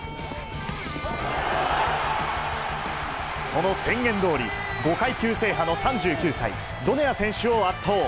その宣言どおり、５階級制覇の３９歳、ドネア選手を圧倒。